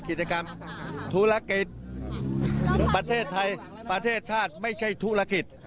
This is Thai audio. กิจกรรมธุรกิจประเทศไทยประเทศชาติไม่ใช่ธุรกิจ